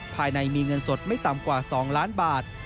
ภายในมีเงินสดไม่ต่ำกว่า๒ล้านบาท